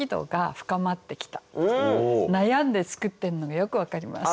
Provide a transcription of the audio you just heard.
あのね悩んで作ってるのがよく分かります。